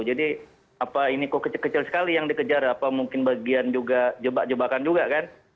jadi apa ini kok kecil kecil sekali yang dikejar apa mungkin bagian juga jebak jebakan juga kan